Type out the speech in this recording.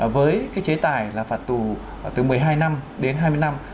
với cái chế tài là phạt tù từ một mươi hai năm đến hai mươi năm